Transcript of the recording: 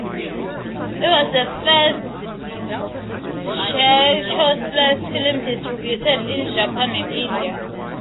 It was the first Czechoslovak film distributed in Japan and India.